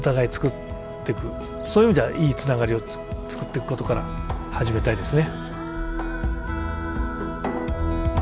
そういう意味ではいいつながりをつくっていくことから始めたいですね。